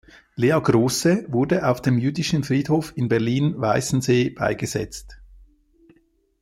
Lea Große wurde auf dem jüdischen Friedhof in Berlin-Weißensee beigesetzt.